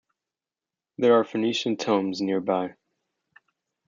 There are Phoenician tombs nearby.